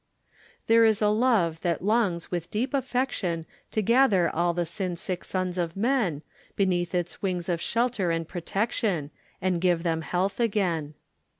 There is a Love that longs with deep affection To gather all the sinsick sons of men Beneath its wings of shelter and protection, And give them health again.